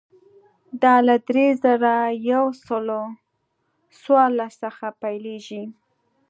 دا له درې زره یو سل څوارلس څخه پیلېږي.